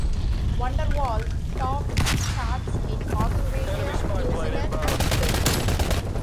"Wonderwall" topped the charts in Australia, New Zealand, and Spain.